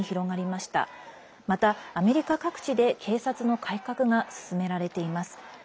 また、アメリカ各地で警察の改革が進められています。